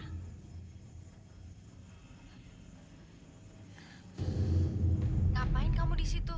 hai ngapain kamu disitu